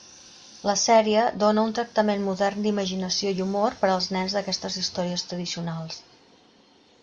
La sèrie dóna un tractament modern d'imaginació i humor per als nens d'aquestes històries tradicionals.